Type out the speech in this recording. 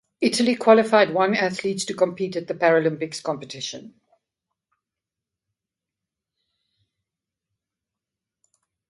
Italy qualified one athletes to compete at the Paralympics competition.